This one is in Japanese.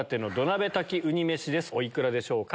お幾らでしょうか？